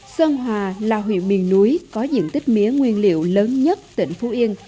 sơn hòa là huyện miền núi có diện tích mía nguyên liệu lớn nhất tỉnh phú yên